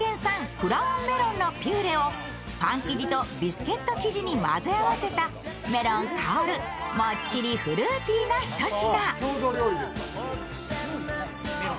クラウンメロンのピューレをパン生地とビスケット生地に混ぜ合わせたメロン香るもっちりフルーティーな一品。